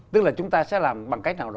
tức là chúng ta sẽ làm bằng cách nào đó